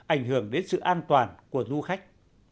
ảnh hưởng đến sự an toàn của du khách